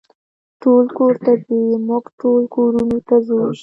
ټول کور ته ځي، موږ ټول کورونو ته ځو.